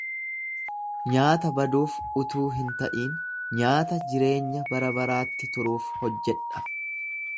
Nyaata baduuf utuu hin ta’in, nyaata jireenya barabaraatti turuuf hojjedha.